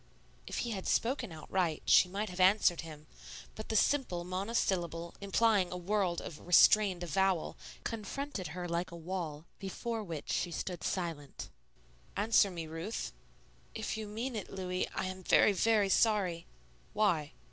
If he had spoken outright, she might have answered him; but the simple monosyllable, implying a world of restrained avowal, confronted her like a wall, before which she stood silent. "Answer me, Ruth." "If you mean it, Louis, I am very, very sorry." "Why?"